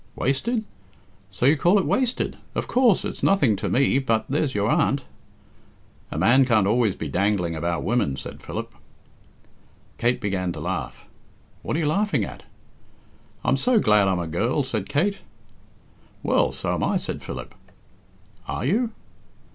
"Wasted? So you call it wasted? Of course, it's nothing to me but there's your aunt " "A man can't always be dangling about women," said Philip. Kate began to laugh. "What are you laughing at?" "I'm so glad I'm a girl," said Kate. "Well, so am I," said Philip. "Are you?"